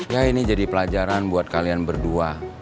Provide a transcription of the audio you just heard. ya ini jadi pelajaran buat kalian berdua